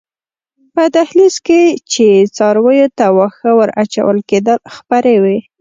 په دهلېز کې چې څارویو ته واښه ور اچول کېدل خپرې وې.